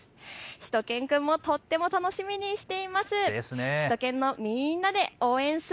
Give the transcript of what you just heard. しゅと犬くんもとても楽しみにしています。